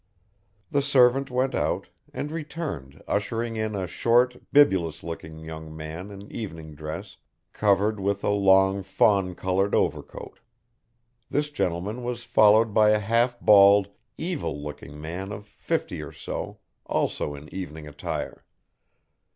The servant went out and returned ushering in a short bibulous looking young man in evening dress covered with a long fawn coloured overcoat; this gentleman was followed by a half bald, evil looking man of fifty or so, also in evening attire.